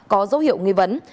có dấu hiệu nghi vấn